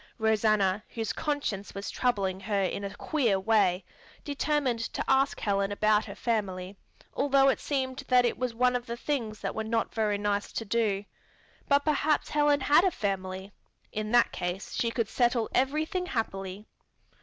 Rosanna, whose conscience was troubling her in a queer way, determined to ask Helen about her family, although it seemed that was one of the things that were not very nice to do. But perhaps Helen had a family. In that case she could settle everything happily.